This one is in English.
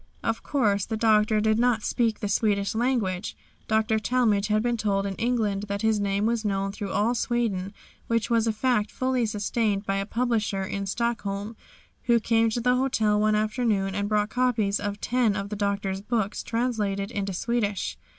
Of course the Doctor did not speak the Swedish language. Dr. Talmage had been told in England that his name was known through all Sweden, which was a fact fully sustained by a publisher in Stockholm who came to the hotel one afternoon and brought copies of ten of the Doctor's books translated into Swedish.